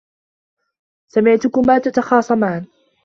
سمعتكما تتخاصمان.